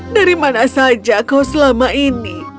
dari mana saja kau selama ini